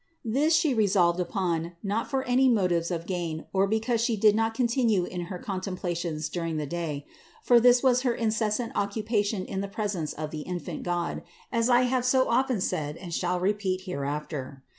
This She resolved upon, not for any motives of gain, or because She did not continue in her contemplations during the day; for this was her incessant occupation in the presence of the infant God, as I have so often said and shall repeat here after.